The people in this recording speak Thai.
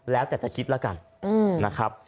แล้วแต่จะคิดแล้วกันนะครับ